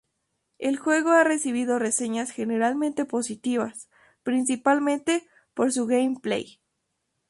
El juego ha recibido reseñas generalmente positivas, principalmente por su gameplay.